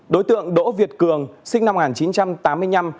đối tượng đỗ việt cường sinh năm một nghìn chín trăm tám mươi năm